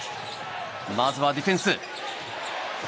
まずはディフェンス。